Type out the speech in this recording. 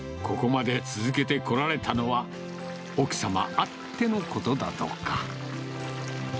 ここまで続けてこられたのは、奥様あってのことだとか。